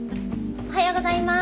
おはようございます。